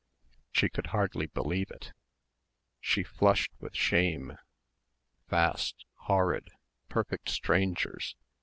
She could hardly believe it. She flushed with shame.... Fast, horrid ... perfect strangers